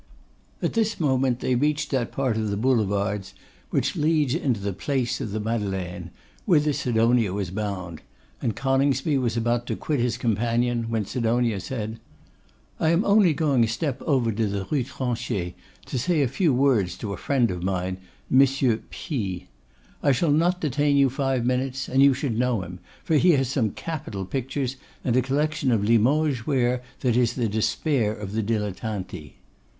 At this moment they reached that part of the Boulevards which leads into the Place of the Madeleine, whither Sidonia was bound; and Coningsby was about to quit his companion, when Sidonia said: 'I am only going a step over to the Rue Tronchet to say a few words to a friend of mine, M. P s. I shall not detain you five minutes; and you should know him, for he has some capital pictures, and a collection of Limoges ware that is the despair of the dilettanti.